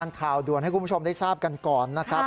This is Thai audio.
ข่าวด่วนให้คุณผู้ชมได้ทราบกันก่อนนะครับ